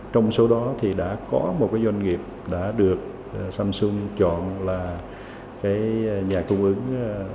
trong số đó thì đã có một cái doanh nghiệp đã được samsung chọn là cái nhà cung ứng